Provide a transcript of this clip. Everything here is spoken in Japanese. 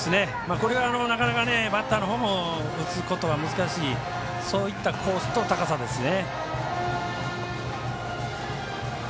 これは、なかなかバッターのほうも打つことは難しいコースと高さですね。